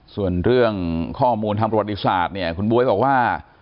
ส่วนเรื่องข้อมูลธรรมดิสัจคุณบ๊วยบอกว่า